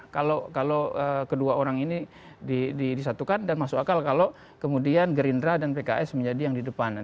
kalau kedua orang ini disatukan dan masuk akal kalau kemudian gerindra dan pks menjadi yang di depan